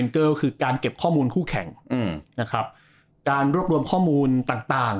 ก็คือการเก็บข้อมูลคู่แข่งนะครับการรวบรวมข้อมูลต่าง